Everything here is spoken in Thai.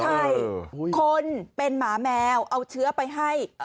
ใช่คนเป็นหมาแมวเอาเชื้อไปให้